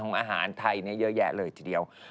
อาหารไทยเยอะแยะเลยทีเดียว